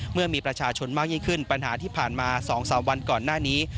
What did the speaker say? เมื่อมีประชาชนมากยิ่งขึ้นปัญหาที่ผ่านมา๒๓วันก่อนหน้านี้